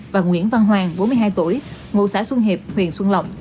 và nguyễn văn hoàng bốn mươi hai tuổi ngụ xã xuân hiệp huyện xuân lộc